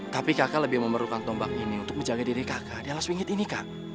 tapi kakak lebih memerlukan tombak ini untuk menjaga diri kakak di alas pingit ini kak